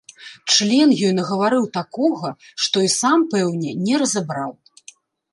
Член ёй нагаварыў такога, што і сам, пэўне, не разабраў.